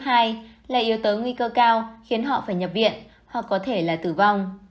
tiểu đường cao khiến họ phải nhập viện hoặc có thể là tử vong